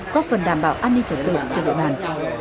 góp phần đảm bảo an ninh chẩn đủ cho đội bàn